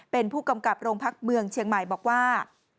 เป็นผู้กำกับโรงพักเมืองเชียงใหม่บอกว่า